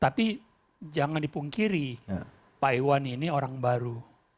tapi jangan dipungkiri pak iwan ini orang baru